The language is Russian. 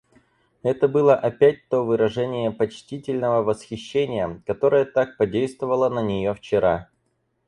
Это было опять то выражение почтительного восхищения, которое так подействовало на нее вчера.